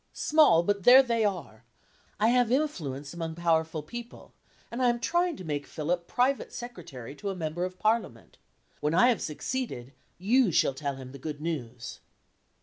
small! but there they are. I have influence among powerful people; and I am trying to make Philip private secretary to a member of Parliament. When I have succeeded, you shall tell him the good news."